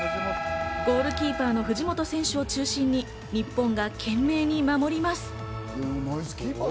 ゴールキーパーの藤本選手を中心に日本が懸命に守ります。